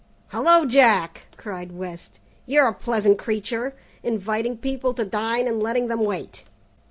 "Hello, Jack!" cried West, "you're a pleasant creature, inviting people to dine and letting them wait.